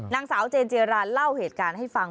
นางสาวเจนเจรานเล่าเหตุการณ์ให้ฟัง